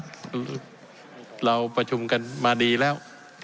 คือเราประชุมกันมาดีแล้ว